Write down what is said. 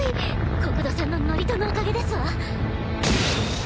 国土さんの祝詞のおかげですわ。